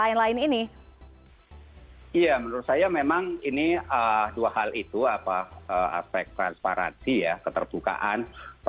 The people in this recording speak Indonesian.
earlier ini pk ini maha dianggap sebagai he korean linda koon isa mengatakan bahwa